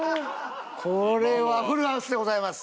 これはフルハウスでございます。